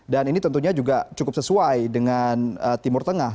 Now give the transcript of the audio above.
dan ini tentunya juga cukup sesuai dengan timur tengah